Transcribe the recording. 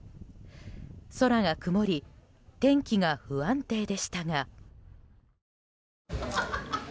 空が曇り天気が不安定でしたが。